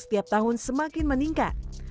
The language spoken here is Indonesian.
setiap tahun semakin meningkat